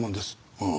ああ。